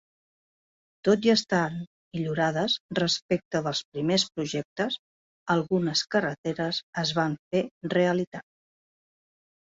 Tot i estar millorades respecte dels primers projectes, algunes carreteres es van fer realitat.